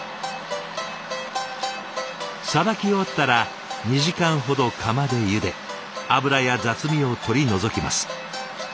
さばき終わったら２時間ほど釜でゆで脂や雑味を取り除きます。